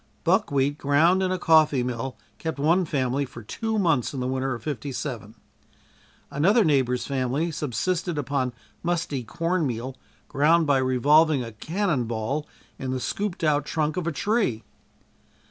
Buckwheat ground in a coffee mill kept one family for two months in the winter of '57. Another neighbor's family subsisted upon musty corn meal, ground by revolving a cannon ball in the scooped out trunk of a tree.